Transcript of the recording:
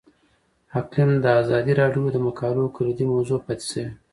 اقلیم د ازادي راډیو د مقالو کلیدي موضوع پاتې شوی.